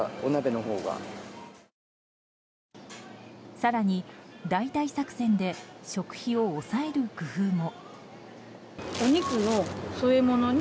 更に、代替作戦で食費を抑える工夫も。